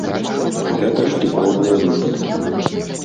Гэта ж тыповыя выпадкі.